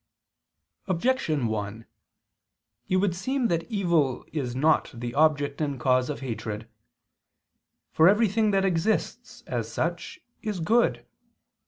Objection 1: It would seem that evil is not the object and cause of hatred. For everything that exists, as such, is good.